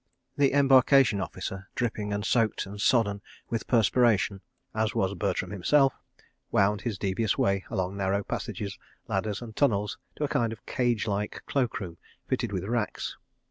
The Embarkation Officer, dripping and soaked and sodden with perspiration, as was Bertram himself, wound his devious way, along narrow passages, ladders and tunnels, to a kind of cage like cloak room fitted with racks.